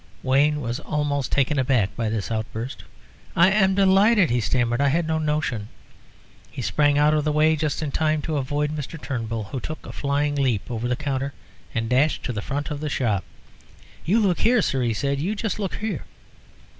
Wayne was almost taken aback by this outburst. "I am delighted," he stammered. "I had no notion " He sprang out of the way just in time to avoid Mr. Turnbull, who took a flying leap over the counter and dashed to the front of the shop. "You look here, sir," he said; "you just look here."